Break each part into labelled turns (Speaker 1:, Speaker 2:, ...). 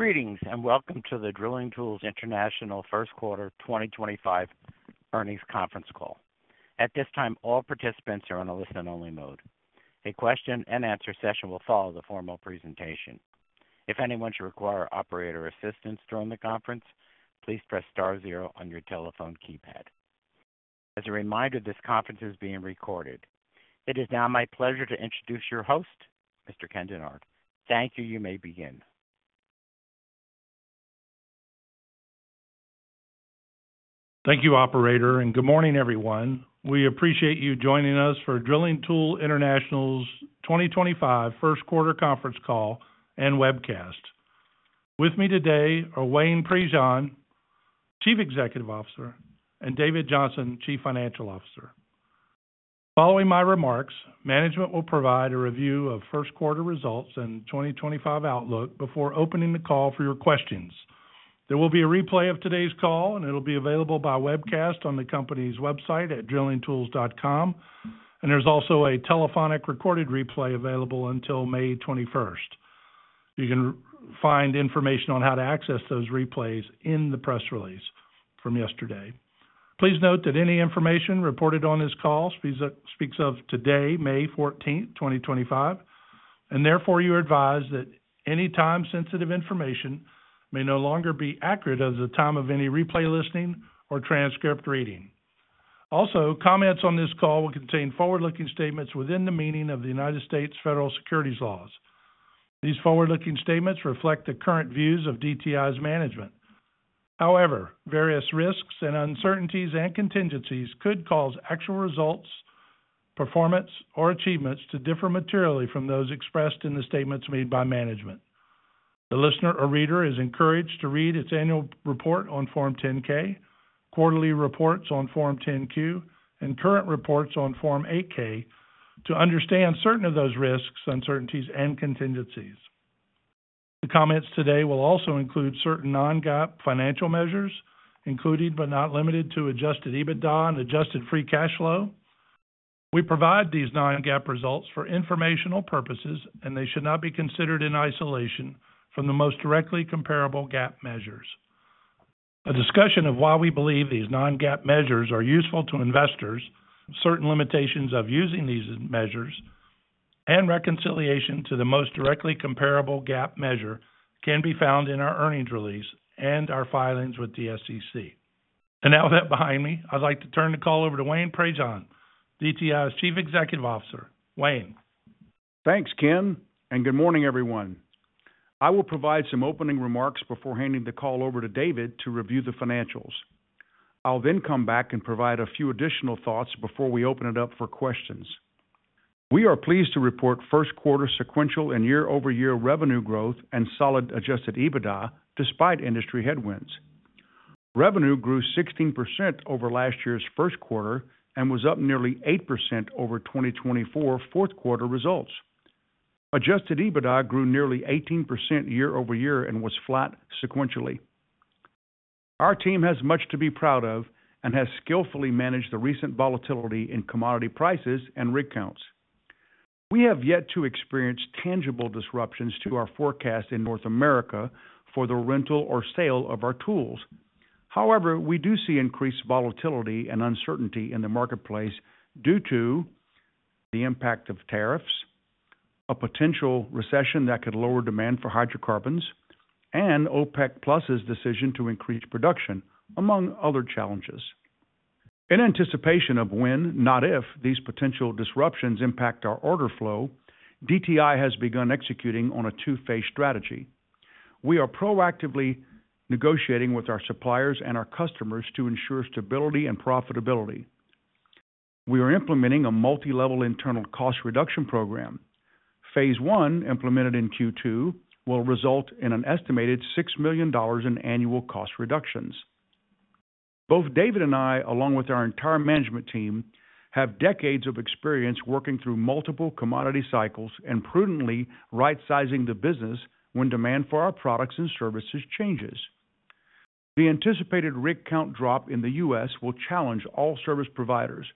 Speaker 1: Greetings and welcome to the Drilling Tools International First Quarter 2025 earnings conference call. At this time, all participants are on a listen-only mode. A question-and-answer session will follow the formal presentation. If anyone should require operator assistance during the conference, please press star zero on your telephone keypad. As a reminder, this conference is being recorded. It is now my pleasure to introduce your host, Mr. Ken Dennard. Thank you. You may begin.
Speaker 2: Thank you, Operator, and good morning, everyone. We appreciate you joining us for Drilling Tools International's 2025 First Quarter conference call and webcast. With me today are Wayne Prejean, Chief Executive Officer, and David Johnson, Chief Financial Officer. Following my remarks, management will provide a review of first quarter results and 2025 outlook before opening the call for your questions. There will be a replay of today's call, and it will be available by webcast on the company's website at drillingtools.com. There is also a telephonic recorded replay available until May 21st. You can find information on how to access those replays in the press release from yesterday. Please note that any information reported on this call speaks as of today, May 14, 2025, and therefore you are advised that any time-sensitive information may no longer be accurate at the time of any replay listening or transcript reading. Also, comments on this call will contain forward-looking statements within the meaning of the United States Federal Securities Laws. These forward-looking statements reflect the current views of DTI's management. However, various risks and uncertainties and contingencies could cause actual results, performance, or achievements to differ materially from those expressed in the statements made by management. The listener or reader is encouraged to read its annual report on Form 10-K, quarterly reports on Form 10-Q, and current reports on Form 8-K to understand certain of those risks, uncertainties, and contingencies. The comments today will also include certain non-GAAP financial measures, including but not limited to adjusted EBITDA and adjusted free cash flow. We provide these non-GAAP results for informational purposes, and they should not be considered in isolation from the most directly comparable GAAP measures. A discussion of why we believe these non-GAAP measures are useful to investors, certain limitations of using these measures, and reconciliation to the most directly comparable GAAP measure can be found in our earnings release and our filings with the SEC. Now that behind me, I'd like to turn the call over to Wayne Prejean, DTI's Chief Executive Officer. Wayne.
Speaker 3: Thanks, Ken, and good morning, everyone. I will provide some opening remarks before handing the call over to David to review the financials. I'll then come back and provide a few additional thoughts before we open it up for questions. We are pleased to report first quarter sequential and year-over-year revenue growth and solid adjusted EBITDA despite industry headwinds. Revenue grew 16% over last year's first quarter and was up nearly 8% over 2024 fourth quarter results. Adjusted EBITDA grew nearly 18% year-over-year and was flat sequentially. Our team has much to be proud of and has skillfully managed the recent volatility in commodity prices and rig counts. We have yet to experience tangible disruptions to our forecast in North America for the rental or sale of our tools. However, we do see increased volatility and uncertainty in the marketplace due to the impact of tariffs, a potential recession that could lower demand for hydrocarbons, and OPEC+'s decision to increase production, among other challenges. In anticipation of when, not if, these potential disruptions impact our order flow, DTI has begun executing on a two-phase strategy. We are proactively negotiating with our suppliers and our customers to ensure stability and profitability. We are implementing a multi-level internal cost reduction program. Phase one, implemented in Q2, will result in an estimated $6 million in annual cost reductions. Both David and I, along with our entire management team, have decades of experience working through multiple commodity cycles and prudently right-sizing the business when demand for our products and services changes. The anticipated rig count drop in the U.S. will challenge all service providers.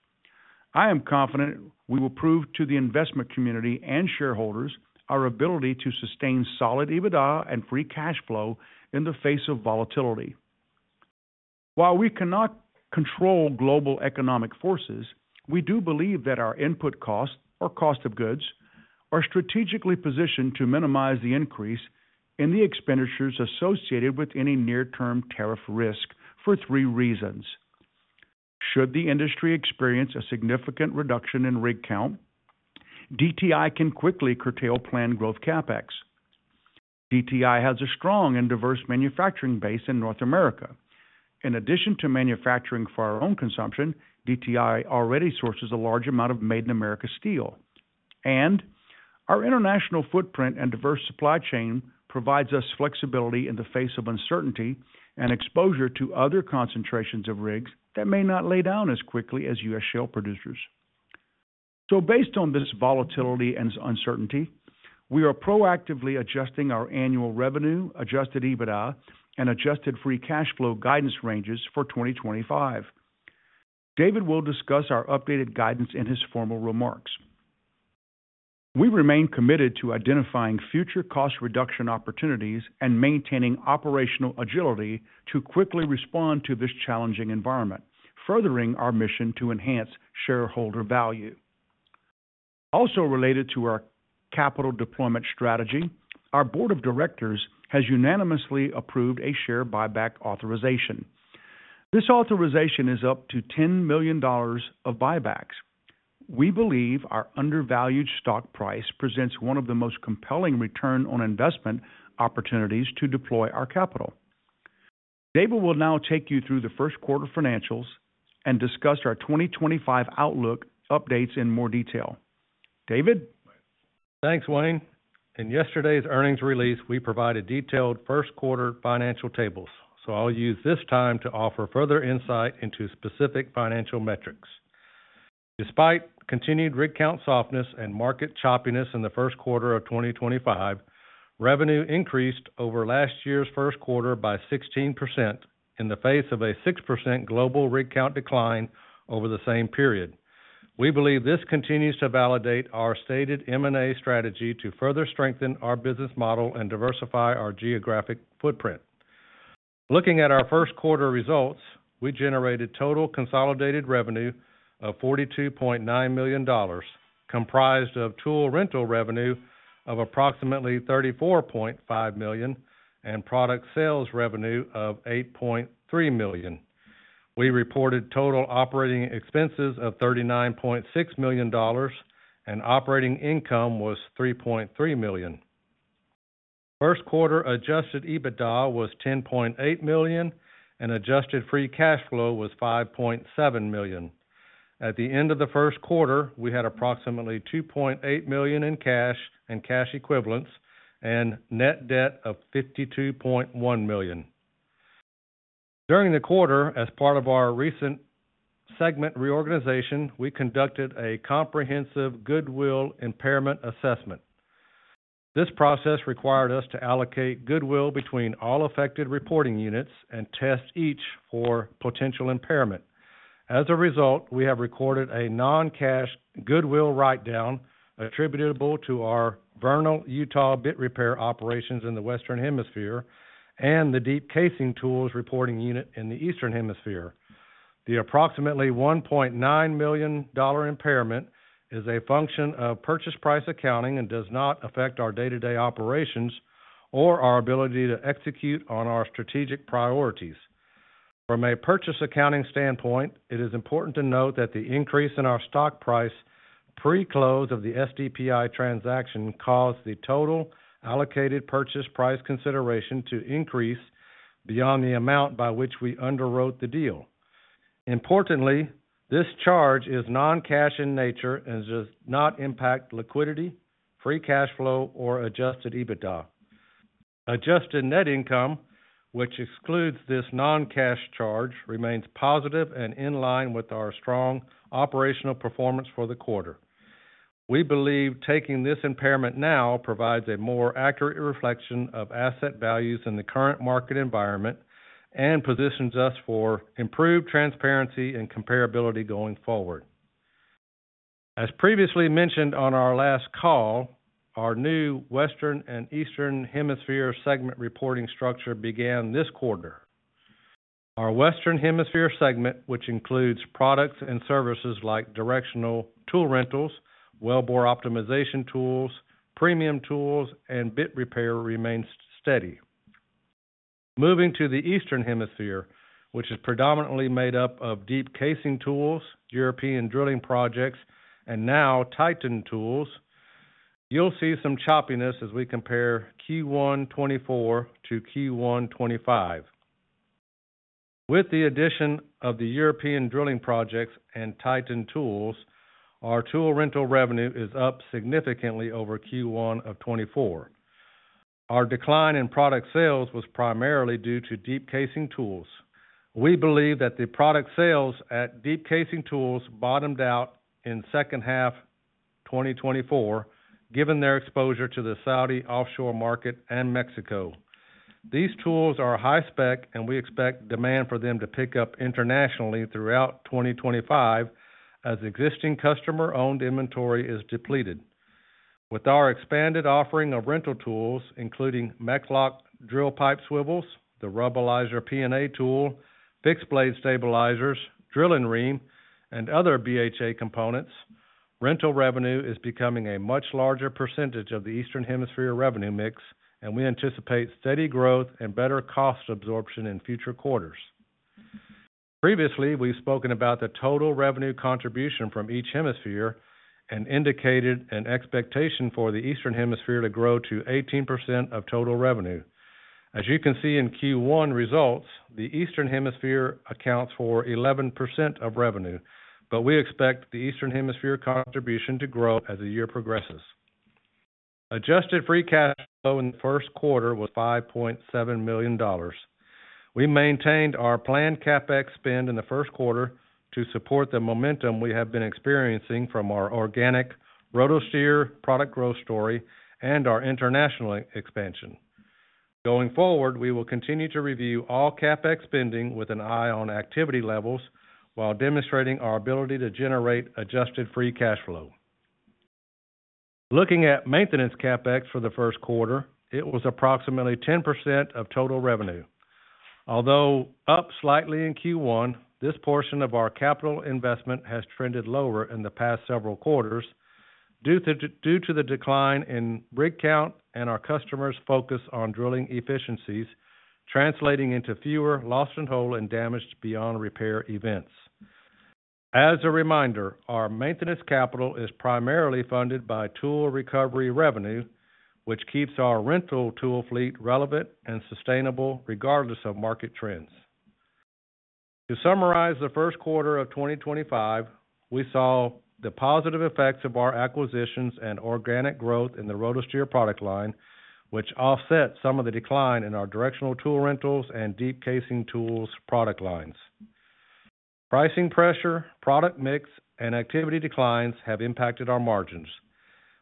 Speaker 3: I am confident we will prove to the investment community and shareholders our ability to sustain solid EBITDA and free cash flow in the face of volatility. While we cannot control global economic forces, we do believe that our input costs, or cost of goods, are strategically positioned to minimize the increase in the expenditures associated with any near-term tariff risk for three reasons. Should the industry experience a significant reduction in rig count, DTI can quickly curtail planned growth CapEx. DTI has a strong and diverse manufacturing base in North America. In addition to manufacturing for our own consumption, DTI already sources a large amount of made-in-America steel. Our international footprint and diverse supply chain provides us flexibility in the face of uncertainty and exposure to other concentrations of rigs that may not lay down as quickly as U.S. shale producers. Based on this volatility and uncertainty, we are proactively adjusting our annual revenue, adjusted EBITDA, and adjusted free cash flow guidance ranges for 2025. David will discuss our updated guidance in his formal remarks. We remain committed to identifying future cost reduction opportunities and maintaining operational agility to quickly respond to this challenging environment, furthering our mission to enhance shareholder value. Also related to our capital deployment strategy, our board of directors has unanimously approved a share buyback authorization. This authorization is up to $10 million of buybacks. We believe our undervalued stock price presents one of the most compelling return on investment opportunities to deploy our capital. David will now take you through the first quarter financials and discuss our 2025 outlook updates in more detail. David.
Speaker 4: Thanks, Wayne. In yesterday's earnings release, we provided detailed first quarter financial tables, so I'll use this time to offer further insight into specific financial metrics. Despite continued rig count softness and market choppiness in the first quarter of 2025, revenue increased over last year's first quarter by 16% in the face of a 6% global rig count decline over the same period. We believe this continues to validate our stated M&A strategy to further strengthen our business model and diversify our geographic footprint. Looking at our first quarter results, we generated total consolidated revenue of $42.9 million, comprised of tool rental revenue of approximately $34.5 million and product sales revenue of $8.3 million. We reported total operating expenses of $39.6 million, and operating income was $3.3 million. First quarter adjusted EBITDA was $10.8 million, and adjusted free cash flow was $5.7 million. At the end of the first quarter, we had approximately $2.8 million in cash and cash equivalents and net debt of $52.1 million. During the quarter, as part of our recent segment reorganization, we conducted a comprehensive goodwill impairment assessment. This process required us to allocate goodwill between all affected reporting units and test each for potential impairment. As a result, we have recorded a non-cash goodwill write-down attributable to our Vernal, Utah bit repair operations in the Western Hemisphere and the Deep Casing Tools reporting unit in the Eastern Hemisphere. The approximately $1.9 million impairment is a function of purchase price accounting and does not affect our day-to-day operations or our ability to execute on our strategic priorities. From a purchase accounting standpoint, it is important to note that the increase in our stock price pre-close of the SDPI transaction caused the total allocated purchase price consideration to increase beyond the amount by which we underwrote the deal. Importantly, this charge is non-cash in nature and does not impact liquidity, free cash flow, or adjusted EBITDA. Adjusted net income, which excludes this non-cash charge, remains positive and in line with our strong operational performance for the quarter. We believe taking this impairment now provides a more accurate reflection of asset values in the current market environment and positions us for improved transparency and comparability going forward. As previously mentioned on our last call, our new Western and Eastern Hemisphere segment reporting structure began this quarter. Our Western Hemisphere segment, which includes products and services like directional tool rentals, wellbore optimization tools, premium tools, and bit repair, remains steady. Moving to the Eastern Hemisphere, which is predominantly made up of Deep Casing Tools, European Drilling Projects, and now Titan Tools, you'll see some choppiness as we compare Q1 2024 to Q1 2025. With the addition of the European Drilling Projects and Titan Tools, our tool rental revenue is up significantly over Q1 of 2024. Our decline in product sales was primarily due to Deep Casing Tools. We believe that the product sales at Deep Casing Tools bottomed out in second half 2024, given their exposure to the Saudi offshore market and Mexico. These tools are high spec, and we expect demand for them to pick up internationally throughout 2025 as existing customer-owned inventory is depleted. With our expanded offering of rental tools, including MechLOK drill pipe swivels, the Rubblizer P&A tool, fixed blade stabilizers, drilling ream, and other BHA components, rental revenue is becoming a much larger percentage of the Eastern Hemisphere revenue mix, and we anticipate steady growth and better cost absorption in future quarters. Previously, we've spoken about the total revenue contribution from each hemisphere and indicated an expectation for the Eastern Hemisphere to grow to 18% of total revenue. As you can see in Q1 results, the Eastern Hemisphere accounts for 11% of revenue, but we expect the Eastern Hemisphere contribution to grow as the year progresses. Adjusted free cash flow in the first quarter was $5.7 million. We maintained our planned CapEx spend in the first quarter to support the momentum we have been experiencing from our organic RotoSteer product growth story and our international expansion. Going forward, we will continue to review all CapEx spending with an eye on activity levels while demonstrating our ability to generate adjusted free cash flow. Looking at maintenance CapEx for the first quarter, it was approximately 10% of total revenue. Although up slightly in Q1, this portion of our capital investment has trended lower in the past several quarters due to the decline in rig count and our customers' focus on drilling efficiencies, translating into fewer lost-and-holed and damaged beyond repair events. As a reminder, our maintenance capital is primarily funded by tool recovery revenue, which keeps our rental tool fleet relevant and sustainable regardless of market trends. To summarize the first quarter of 2025, we saw the positive effects of our acquisitions and organic growth in the RotoSteer product line, which offset some of the decline in our directional tool rentals and Deep Casing Tools product lines. Pricing pressure, product mix, and activity declines have impacted our margins.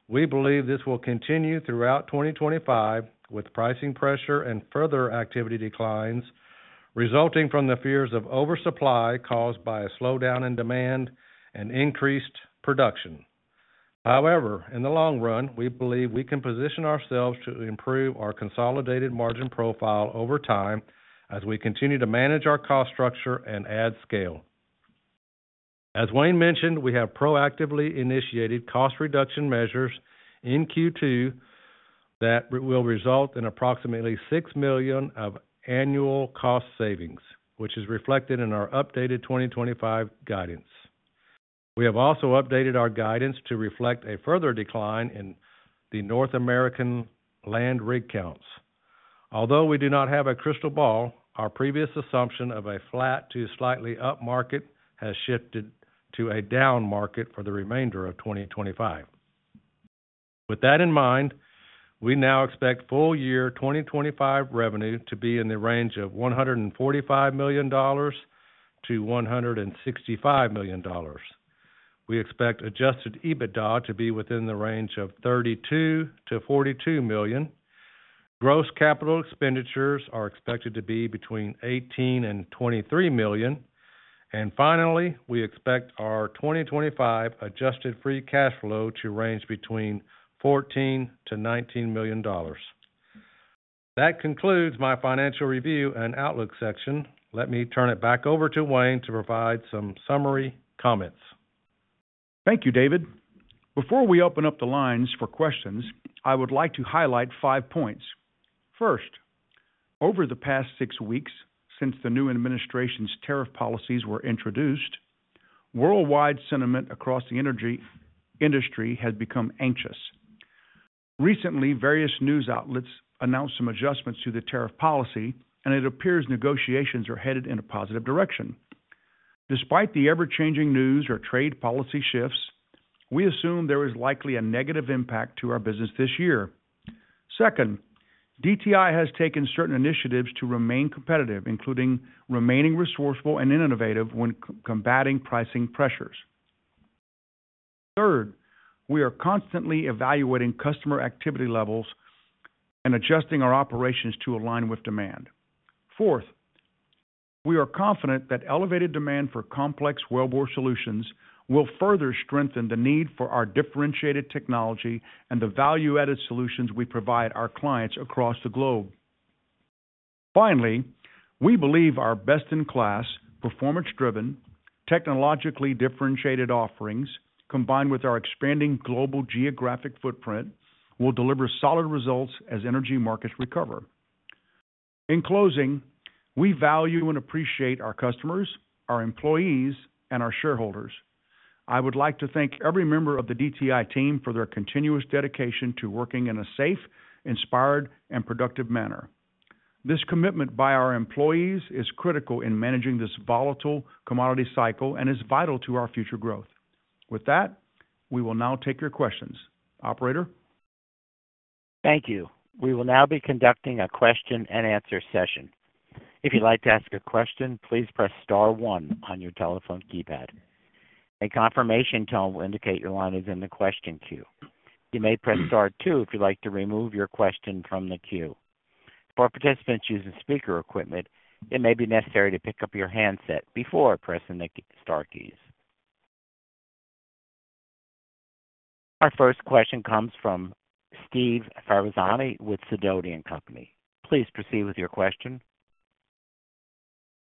Speaker 4: We believe this will continue throughout 2025 with pricing pressure and further activity declines resulting from the fears of oversupply caused by a slowdown in demand and increased production. However, in the long run, we believe we can position ourselves to improve our consolidated margin profile over time as we continue to manage our cost structure and add scale. As Wayne mentioned, we have proactively initiated cost reduction measures in Q2 that will result in approximately $6 million of annual cost savings, which is reflected in our updated 2025 guidance. We have also updated our guidance to reflect a further decline in the North American land rig counts. Although we do not have a crystal ball, our previous assumption of a flat to slightly up market has shifted to a down market for the remainder of 2025. With that in mind, we now expect full year 2025 revenue to be in the range of $145 million-$165 million. We expect adjusted EBITDA to be within the range of $32 million-$42 million. Gross capital expenditures are expected to be between $18 million and $23 million. Finally, we expect our 2025 adjusted free cash flow to range between $14 million and $19 million. That concludes my financial review and outlook section. Let me turn it back over to Wayne to provide some summary comments.
Speaker 3: Thank you, David. Before we open up the lines for questions, I would like to highlight five points. First, over the past six weeks since the new administration's tariff policies were introduced, worldwide sentiment across the energy industry has become anxious. Recently, various news outlets announced some adjustments to the tariff policy, and it appears negotiations are headed in a positive direction. Despite the ever-changing news or trade policy shifts, we assume there is likely a negative impact to our business this year. Second, DTI has taken certain initiatives to remain competitive, including remaining resourceful and innovative when combating pricing pressures. Third, we are constantly evaluating customer activity levels and adjusting our operations to align with demand. Fourth, we are confident that elevated demand for complex wellbore solutions will further strengthen the need for our differentiated technology and the value-added solutions we provide our clients across the globe. Finally, we believe our best-in-class, performance-driven, technologically differentiated offerings, combined with our expanding global geographic footprint, will deliver solid results as energy markets recover. In closing, we value and appreciate our customers, our employees, and our shareholders. I would like to thank every member of the DTI team for their continuous dedication to working in a safe, inspired, and productive manner. This commitment by our employees is critical in managing this volatile commodity cycle and is vital to our future growth. With that, we will now take your questions. Operator.
Speaker 1: Thank you. We will now be conducting a question-and-answer session. If you'd like to ask a question, please press star one on your telephone keypad. A confirmation tone will indicate your line is in the question queue. You may press star two if you'd like to remove your question from the queue. For participants using speaker equipment, it may be necessary to pick up your handset before pressing the star keys. Our first question comes from Steve Ferazani with Sidoti & Company. Please proceed with your question.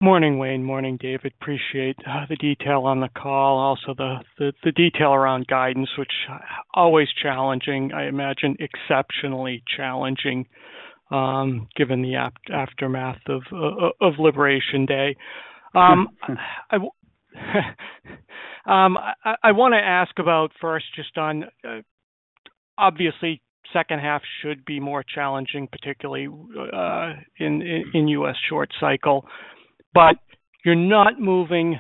Speaker 5: Morning, Wayne. Morning, David. Appreciate the detail on the call, also the detail around guidance, which is always challenging, I imagine exceptionally challenging given the aftermath of Liberation Day. I want to ask about first, just on obviously, second half should be more challenging, particularly in U.S. short cycle. You are not moving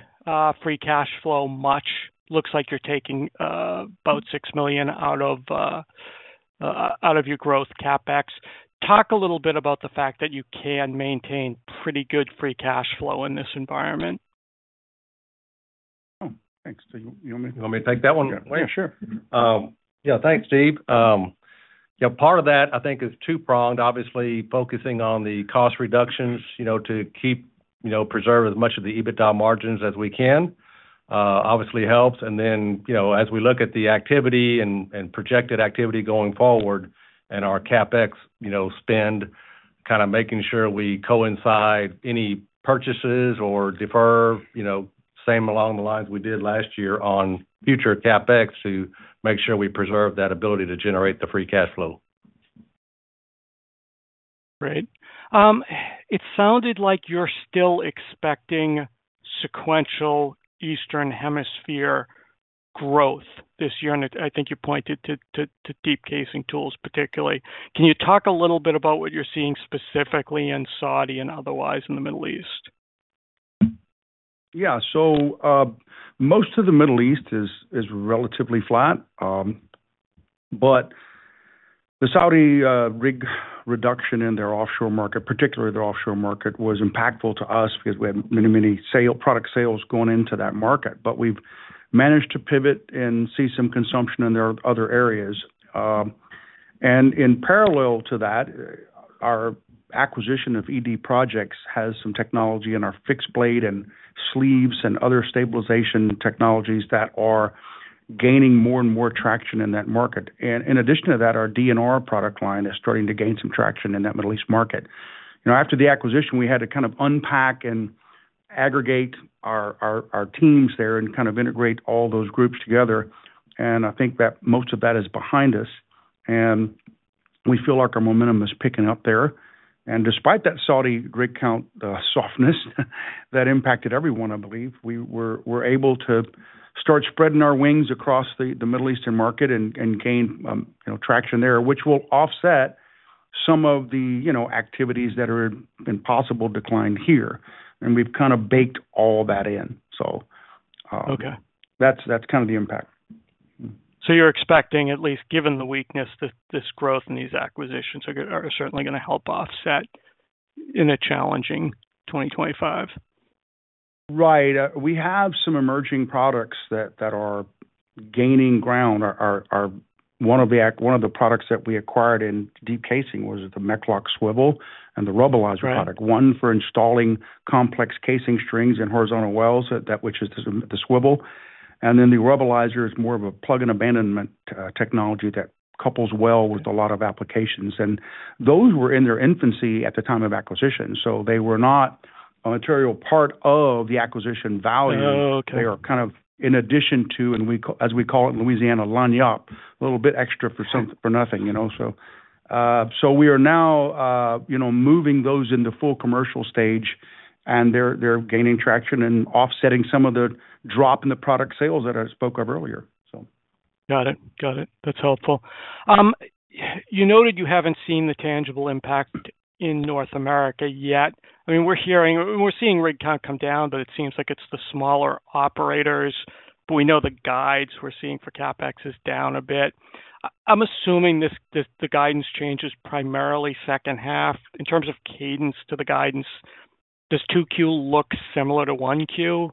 Speaker 5: free cash flow much. Looks like you are taking about $6 million out of your growth CapEx. Talk a little bit about the fact that you can maintain pretty good free cash flow in this environment.
Speaker 4: Thanks. Do you want me to take that one?
Speaker 3: Yeah, sure.
Speaker 4: Yeah, thanks, Steve. Part of that, I think, is two-pronged. Obviously, focusing on the cost reductions to preserve as much of the EBITDA margins as we can obviously helps. As we look at the activity and projected activity going forward and our CapEx spend, kind of making sure we coincide any purchases or defer, same along the lines we did last year on future CapEx to make sure we preserve that ability to generate the free cash flow.
Speaker 5: Great. It sounded like you're still expecting sequential Eastern Hemisphere growth this year. I think you pointed to Deep Casing Tools particularly. Can you talk a little bit about what you're seeing specifically in Saudi and otherwise in the Middle East?
Speaker 3: Yeah. Most of the Middle East is relatively flat. The Saudi rig reduction in their offshore market, particularly their offshore market, was impactful to us because we had many, many product sales going into that market. We have managed to pivot and see some consumption in other areas. In parallel to that, our acquisition of ED projects has some technology in our fixed blade and sleeves and other stabilization technologies that are gaining more and more traction in that market. In addition to that, our DNR product line is starting to gain some traction in that Middle East market. After the acquisition, we had to kind of unpack and aggregate our teams there and kind of integrate all those groups together. I think that most of that is behind us. We feel like our momentum is picking up there. Despite that Saudi rig count softness that impacted everyone, I believe we're able to start spreading our wings across the Middle Eastern market and gain traction there, which will offset some of the activities that are in possible decline here. We've kind of baked all that in. That's kind of the impact.
Speaker 5: You're expecting, at least given the weakness, that this growth and these acquisitions are certainly going to help offset in a challenging 2025.
Speaker 3: Right. We have some emerging products that are gaining ground. One of the products that we acquired in Deep Casing was the MechLOK swivel and the Rubblizer product, one for installing complex casing strings in horizontal wells, which is the swivel. The Rubblizer is more of a plug-and-abandonment technology that couples well with a lot of applications. Those were in their infancy at the time of acquisition. They were not a material part of the acquisition value. They were kind of in addition to, as we call it in Louisiana, line up a little bit extra for nothing. We are now moving those into full commercial stage, and they are gaining traction and offsetting some of the drop in the product sales that I spoke of earlier.
Speaker 5: Got it. Got it. That's helpful. You noted you haven't seen the tangible impact in North America yet. I mean, we're seeing rig count come down, but it seems like it's the smaller operators. I mean, we know the guides we're seeing for CapEx is down a bit. I'm assuming the guidance change is primarily second half. In terms of cadence to the guidance, does 2Q look similar to 1Q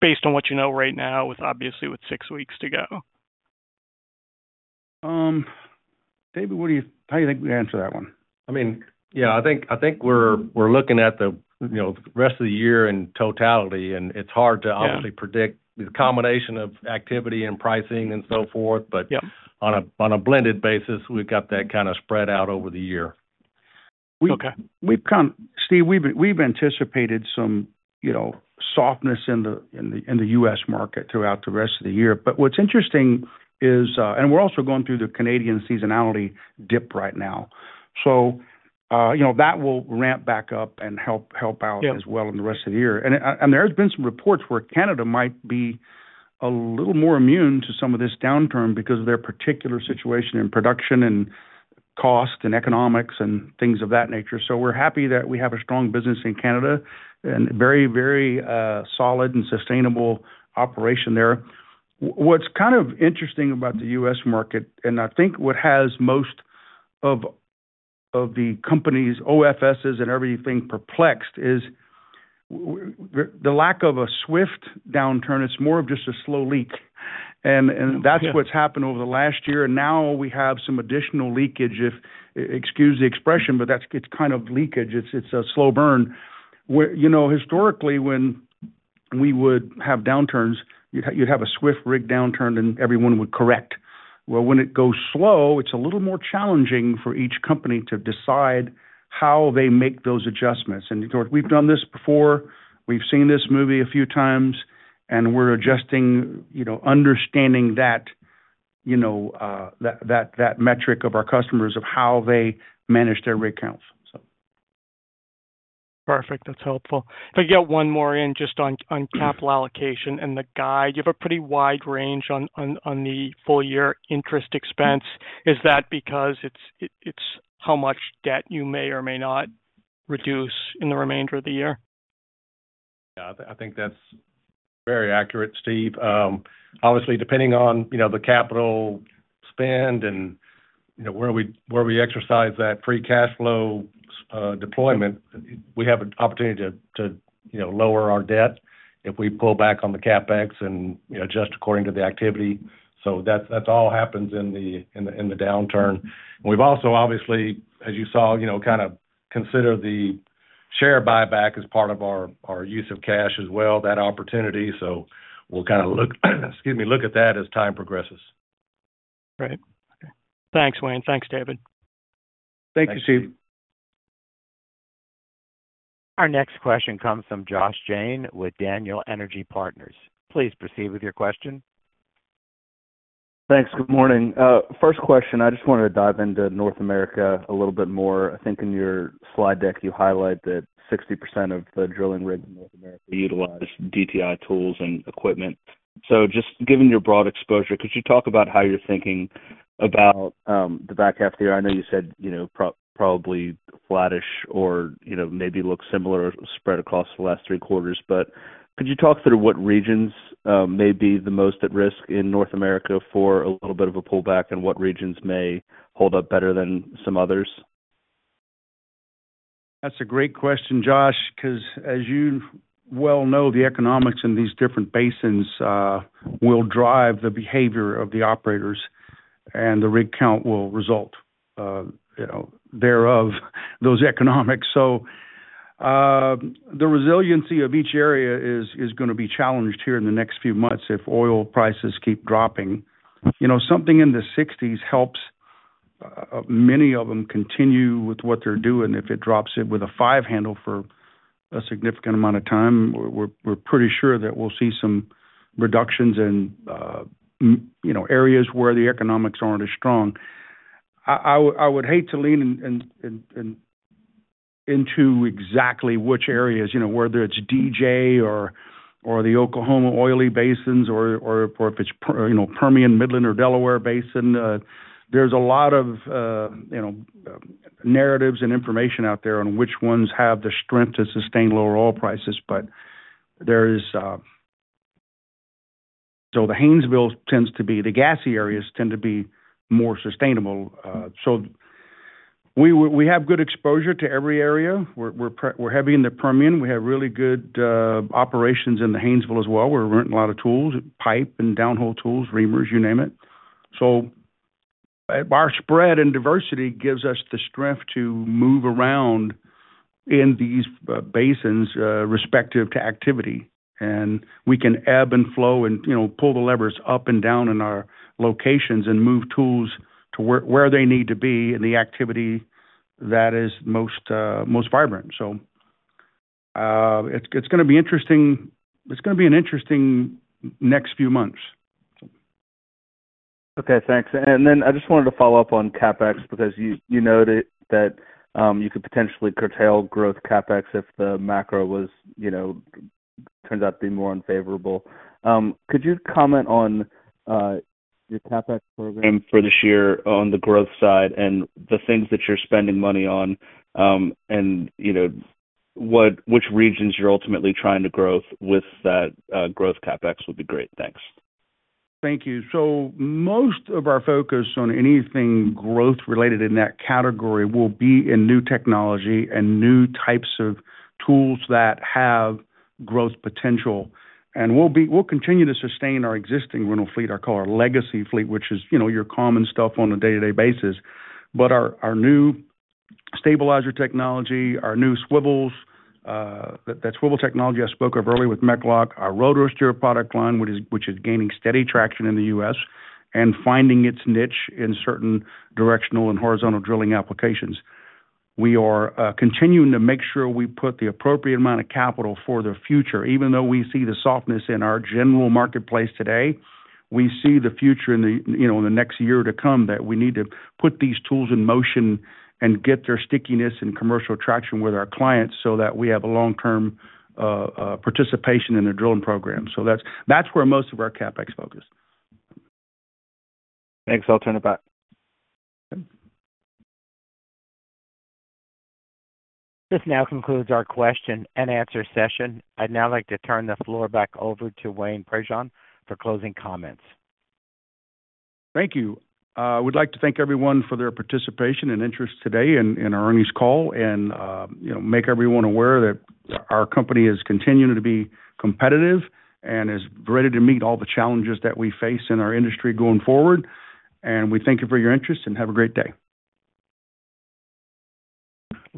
Speaker 5: based on what you know right now, obviously with six weeks to go?
Speaker 3: David, how do you think we answer that one?
Speaker 4: I mean, yeah, I think we're looking at the rest of the year in totality, and it's hard to obviously predict the combination of activity and pricing and so forth. On a blended basis, we've got that kind of spread out over the year.
Speaker 3: Steve, we've anticipated some softness in the U.S. market throughout the rest of the year. What's interesting is, we're also going through the Canadian seasonality dip right now. That will ramp back up and help out as well in the rest of the year. There have been some reports where Canada might be a little more immune to some of this downturn because of their particular situation in production and cost and economics and things of that nature. We're happy that we have a strong business in Canada and very, very solid and sustainable operation there. What's kind of interesting about the U.S. market, and I think what has most of the companies, OFS's and everything perplexed, is the lack of a swift downturn. It's more of just a slow leak. That's what's happened over the last year. We have some additional leakage, excuse the expression, but it's kind of leakage. It's a slow burn. Historically, when we would have downturns, you'd have a swift rig downturn, and everyone would correct. When it goes slow, it's a little more challenging for each company to decide how they make those adjustments. We've done this before. We've seen this movie a few times, and we're adjusting, understanding that metric of our customers of how they manage their rig counts.
Speaker 5: Perfect. That's helpful. If I could get one more in just on capital allocation and the guide. You have a pretty wide range on the full year interest expense. Is that because it's how much debt you may or may not reduce in the remainder of the year?
Speaker 4: Yeah, I think that's very accurate, Steve. Obviously, depending on the capital spend and where we exercise that free cash flow deployment, we have an opportunity to lower our debt if we pull back on the CapEx and adjust according to the activity. That all happens in the downturn. We've also, obviously, as you saw, kind of consider the share buyback as part of our use of cash as well, that opportunity. We'll kind of look at that as time progresses.
Speaker 5: Right. Thanks, Wayne. Thanks, David.
Speaker 3: Thank you, Steve.
Speaker 1: Our next question comes from Josh Jayne with Daniel Energy Partners. Please proceed with your question.
Speaker 6: Thanks. Good morning. First question, I just wanted to dive into North America a little bit more. I think in your slide deck, you highlight that 60% of the drilling rigs in North America utilize DTI tools and equipment. So just given your broad exposure, could you talk about how you're thinking about the back half there? I know you said probably flattish or maybe look similar or spread across the last three quarters. But could you talk through what regions may be the most at risk in North America for a little bit of a pullback, and what regions may hold up better than some others?
Speaker 3: That's a great question, Josh, because as you well know, the economics in these different basins will drive the behavior of the operators, and the rig count will result thereof, those economics. The resiliency of each area is going to be challenged here in the next few months if oil prices keep dropping. Something in the 60s helps many of them continue with what they're doing. If it drops with a five handle for a significant amount of time, we're pretty sure that we'll see some reductions in areas where the economics aren't as strong. I would hate to lean into exactly which areas, whether it's DJ or the Oklahoma Oily Basins or if it's Permian, Midland, or Delaware Basin. There's a lot of narratives and information out there on which ones have the strength to sustain lower oil prices. The Haynesville tends to be, the gassy areas tend to be more sustainable. We have good exposure to every area. We're heavy in the Permian. We have really good operations in the Haynesville as well. We're renting a lot of tools, pipe and downhole tools, reamers, you name it. Our spread and diversity give us the strength to move around in these basins respective to activity. We can ebb and flow and pull the levers up and down in our locations and move tools to where they need to be in the activity that is most vibrant. It's going to be interesting. It's going to be an interesting next few months.
Speaker 6: Okay. Thanks. I just wanted to follow up on CapEx because you noted that you could potentially curtail growth CapEx if the macro turns out to be more unfavorable. Could you comment on your CapEx program for this year on the growth side and the things that you're spending money on and which regions you're ultimately trying to grow with that growth CapEx would be great. Thanks.
Speaker 3: Thank you. Most of our focus on anything growth-related in that category will be in new technology and new types of tools that have growth potential. We will continue to sustain our existing rental fleet, our legacy fleet, which is your common stuff on a day-to-day basis. Our new stabilizer technology, our new swivels, that swivel technology I spoke of earlier with MechLOK, our RotorSteer product line, which is gaining steady traction in the U.S. and finding its niche in certain directional and horizontal drilling applications. We are continuing to make sure we put the appropriate amount of capital for the future. Even though we see the softness in our general marketplace today, we see the future in the next year to come that we need to put these tools in motion and get their stickiness and commercial traction with our clients so that we have a long-term participation in the drilling program. That is where most of our CapEx focus.
Speaker 6: Thanks. I'll turn it back.
Speaker 1: This now concludes our question and answer session. I'd now like to turn the floor back over to Wayne Prejean for closing comments.
Speaker 3: Thank you. I would like to thank everyone for their participation and interest today in our earnings call and make everyone aware that our company is continuing to be competitive and is ready to meet all the challenges that we face in our industry going forward. We thank you for your interest and have a great day.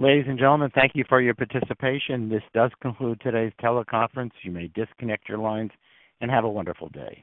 Speaker 1: Ladies and gentlemen, thank you for your participation. This does conclude today's teleconference. You may disconnect your lines and have a wonderful day.